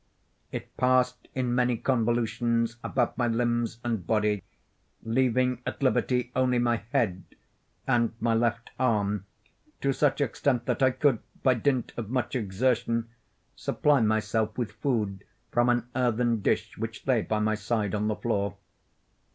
It passed in many convolutions about my limbs and body, leaving at liberty only my head, and my left arm to such extent that I could, by dint of much exertion, supply myself with food from an earthen dish which lay by my side on the floor.